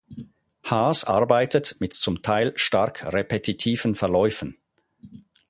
Haas arbeitet mit zum Teil stark repetitiven Verläufen.